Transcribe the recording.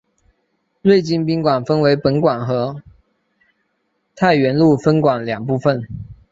瑞金宾馆分为本馆和太原路分馆两部份。